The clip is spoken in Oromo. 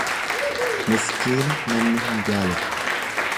Miskiina namni hin jaalatu.